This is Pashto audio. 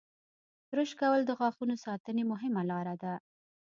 • برش کول د غاښونو ساتنې مهمه لاره ده.